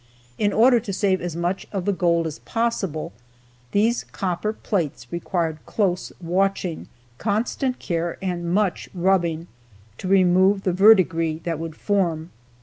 In order to save as much of the gold as possible, these copper plates required close watching, constant care and much rubbing to remove the verdigris that would form.